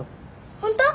ホント？